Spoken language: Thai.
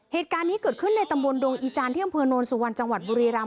เหตุการณ์นี้เกิดขึ้นในตำบลดงอีจานที่อำเภอโนนสุวรรณจังหวัดบุรีรำ